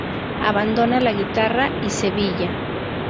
Abandona la guitarra y Sevilla.